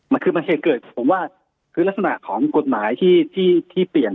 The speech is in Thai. มันคือมันเหตุเกิดผมว่าคือลักษณะของกฎหมายที่เปลี่ยน